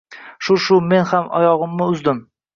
Shu-shu men ham oyog`imni uzdim